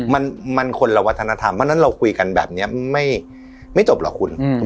มันคนละวัฒนธรรมเพราะฉะนั้นเราคุยกันแบบนี้ไม่จบหรอกคุณ